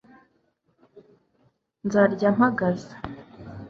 nzarya mpagaze